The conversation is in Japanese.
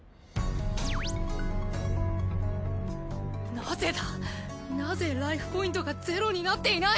なぜだなぜライフポイントがゼロになっていない！？